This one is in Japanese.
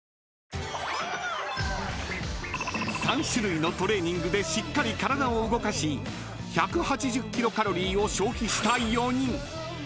［３種類のトレーニングでしっかり体を動かし１８０キロカロリーを消費した４人］